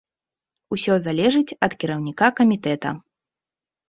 Усё залежыць ад кіраўніка камітэта.